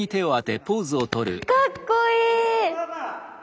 かっこいい！